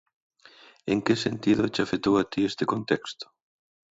En que sentido che afectou a ti este contexto?